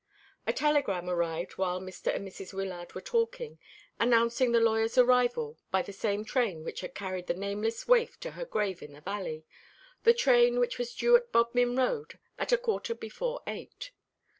A telegram arrived while Mr. and Mrs. Wyllard were talking, announcing the lawyer's arrival by the same train which had carried the nameless waif to her grave in the valley, the train which was due at Bodmin Road at a quarter before eight.